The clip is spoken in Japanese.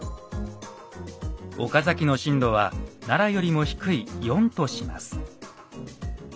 岡崎の震度は奈良よりも低い「４」とします。